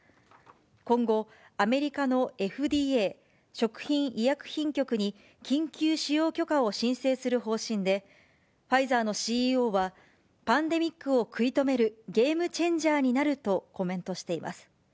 今後、アメリカのＦＤＡ・食品医薬品局に緊急使用許可を申請する方針で、ファイザーのＣＥＯは、パンデミックを食い止めるゲームチェンジャーになるとコメントしています。